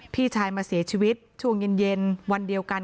พี่ชายมาเสียชีวิตช่วงเย็นวันเดียวกัน